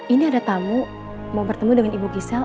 ini ada tamu mau bertemu dengan ibu gisela